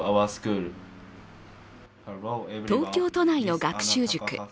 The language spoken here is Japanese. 東京都内の学習塾。